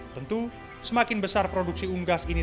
tentu semakin besar produksi unggas ini